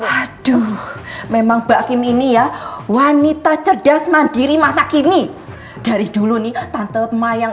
aduh memang mbak kim ini ya wanita cerdas mandiri masa kini dari dulu nih tante mayang